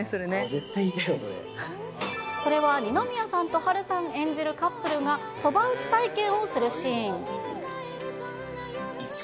絶対言いたい、それは二宮さんと波瑠さん演じるカップルが、そば打ち体験をするシーン。